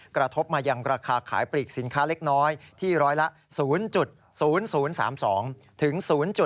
กระทบอย่างราคาขายปลีกสินค้าเล็กน้อยที่๑๐๐ละ๐๐๐๓๒ถึง๐๔๘๕๓